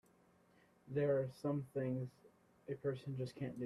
There are some things a person just can't do!